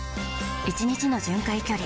１日の巡回距離